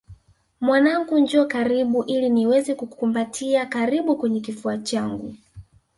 Mwanangu njoo karibu ili niweze kukukumbatia karibu kwenye kifua changu